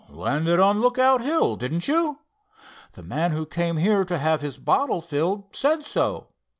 Landed on Lookout Hill, didn't you? The man who came here to have his bottle filled said so.